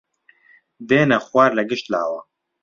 دێنە خوار لە گشت لاوە